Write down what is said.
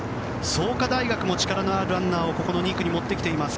創価大学も力のあるランナーをここの２区に持ってきています。